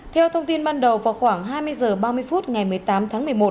theo thông tin ban đầu vào khoảng hai mươi h ba mươi phút ngày một mươi tám tháng một mươi một